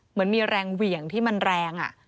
เหมือนมีแรงเหวี่ยงที่มันแรง